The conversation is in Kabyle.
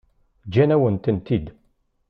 Ǧǧan-awen-tent-id.